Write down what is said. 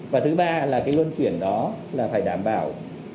và thứ ba là cái luân chuyển đó là phải đảm bảo